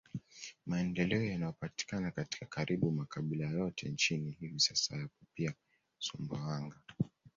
Maendeleo yanayopatikana katika karibu makabila yote nchini hivi sasa yapo pia Sumbawanga